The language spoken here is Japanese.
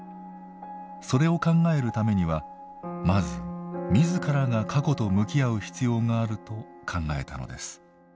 それを考えるためにはまず自らが過去と向き合う必要があると考えたのです。